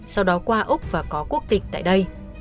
sau đó qua úc và có quốc tịch tại đây